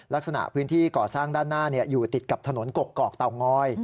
ลักษณะพื้นที่ก่อสร้างด้านหน้าอยู่ติดกับถนนกกอกเตางอย